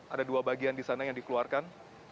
ada dua bagian di sana yang dikeluarkan